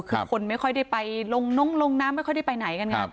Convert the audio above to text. คือคนไม่ค่อยได้ไปลงน้องลงน้ำไม่ค่อยได้ไปไหนกันไง